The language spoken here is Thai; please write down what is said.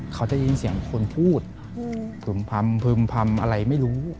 เขาจะยินเสียงคนพูดพึ่มพำพึ่มพำอะไรไม่รู้